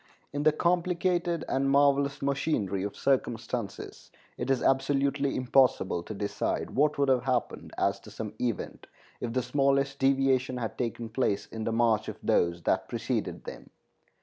In the complicated and marvelous machinery of circumstances it is absolutely impossible to decide what would have happened as to some event if the smallest deviation had taken place in the march of those that preceded them.